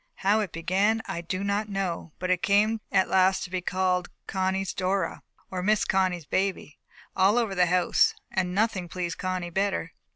How it began, I do not know, but it came at last to be called Connie's Dora, or Miss Connie's baby, all over the house, and nothing pleased Connie better.